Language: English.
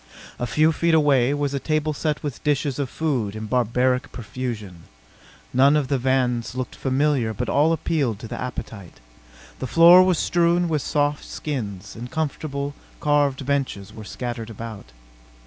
A few feet away was a table set with dishes of food in barbaric profusion. None of the viands looked familiar but all appealed to the appetite. The floor was strewn with soft skins, and comfortable, carved benches were scattered about.